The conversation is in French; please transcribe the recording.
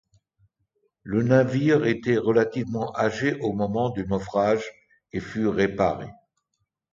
Le navire était relativement âgé au moment du naufrage et fut réparé.